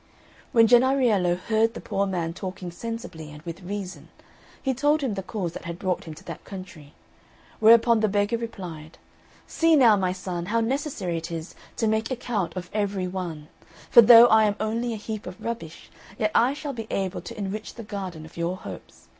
When Jennariello heard the poor man talking sensibly and with reason, he told him the cause that had brought him to that country; whereupon the beggar replied, "See now, my son, how necessary it is to make account of every one; for though I am only a heap of rubbish, yet I shall be able to enrich the garden of your hopes.